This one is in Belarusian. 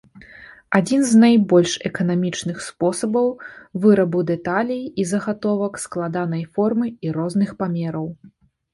Адзін з найбольш эканамічных спосабаў вырабу дэталей і загатовак складанай формы і розных памераў.